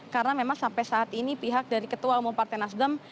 karena memang sampai saat ini pihak dari ketua umum partai nasdem